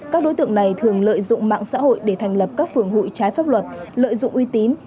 các đối tượng này thường lợi dụng mạng xã hội để thành lập các phường hụi trái pháp luật lợi dụng uy tín